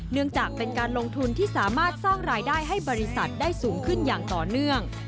เนื่องจากเป็นการลงทุนที่สามารถสร้างรายได้ให้บริษัทได้สูงขึ้นอย่างต่อเนื่อง